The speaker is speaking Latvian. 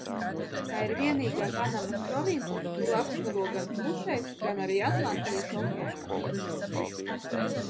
Tā ir vienīgā Panamas province, kuru apskalo gan Klusais, gan arī Atlantijas okeāns.